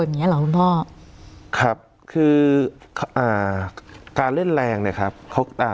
อย่างเงี้เหรอคุณพ่อครับคืออ่าการเล่นแรงเนี้ยครับเขาอ่า